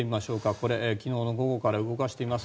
これ、昨日の午後から動かしてみます。